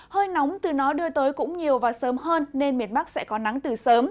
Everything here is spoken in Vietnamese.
hơi nóng từ nó đưa tới cũng nhiều và sớm hơn nên miền bắc sẽ có nắng từ sớm